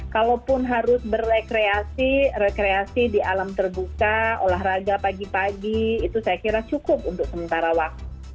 kalaupun harus berrekreasi rekreasi di alam terbuka olahraga pagi pagi itu saya kira cukup untuk sementara waktu